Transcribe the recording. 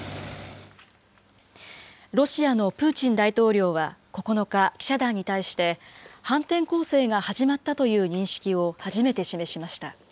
ロシアのプーチン大統領は９日、記者団に対して反転攻勢が始まったという認識を初めて示しました。